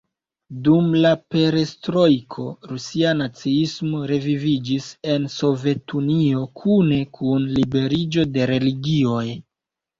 Dum la Perestrojko, Rusia naciismo reviviĝis en Sovetunio, kune kun liberiĝo de religioj.